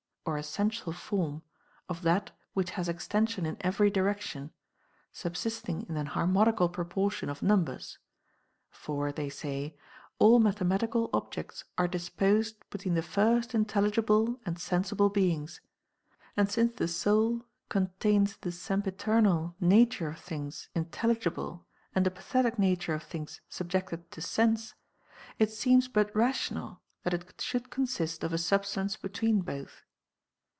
351 (or essential form) of that which has extension in every direction, subsisting in an harmonical proportion of num bers. For (they say) all mathematical objects are dis posed between the first intelligible and sensible beings ; and since the sonl contains the sempiternal nature of things intelligible and the pathetic nature of things sub jected to sense, it seems but rational that it should consist of a substance between both.